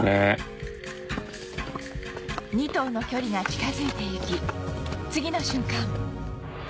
２頭の距離が近づいていき次の瞬間